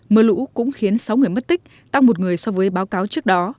mưa lũ cũng khiến sáu người mất tích tăng một người so với báo cáo trước đó